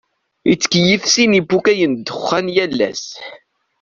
Yettkeyyif sin n yipukay n ddexxan yal ass.